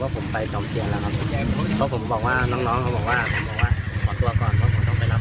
กับเขาล่ะครับ